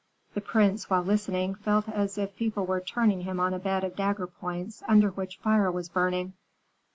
The prince, while listening, felt as if people were turning him on a bed of dagger points under which fire was burning.